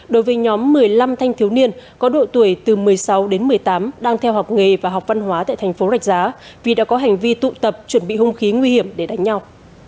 đối với nhóm một mươi năm thanh thiếu niên có độ tuổi từ một mươi sáu đến một mươi tám đang theo học nghề và học văn hóa tại thành phố rạch giá vì đã có hành vi tụ tập chuẩn bị hung khí nguy hiểm để đánh nhau